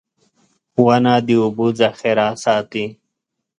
• ونه د اوبو ذخېره ساتي.